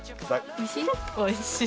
おいしい？